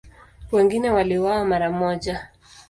Wengine waliuawa mara moja.